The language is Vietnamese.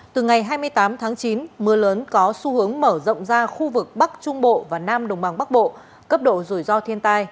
từ ngày hai mươi tám tháng chín mưa lớn có xu hướng mở rộng ra khu vực bắc trung bộ và nam đồng bằng bắc bộ cấp độ rủi ro thiên tai